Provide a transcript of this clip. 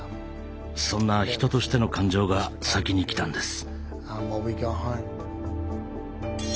そんな人としての感情が先に来たんです。